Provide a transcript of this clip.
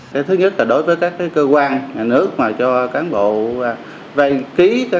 theo lãnh đạo văn phòng cơ quan cảnh sát điều tra công an tỉnh cà mau